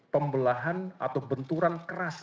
pembelahan atau benturan keras